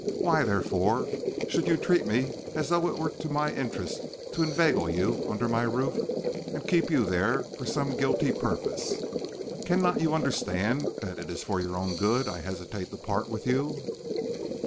Why, therefore, should you treat me as though it were to my interest to inveigle you under my roof and keep you there for some guilty purpose? Cannot you understand that it is for your own good I hesitate to part with you?"